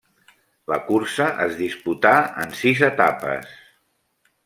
La cursa es disputà en sis etapes.